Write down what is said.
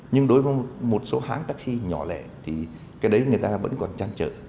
nhưng đối với một số hãng tác sĩ nhỏ lẻ thì cái đấy người ta vẫn còn chăn trợ